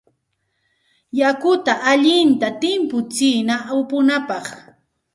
Yakuta allinta timputsina upunapaq.